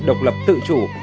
độc lập tự chủ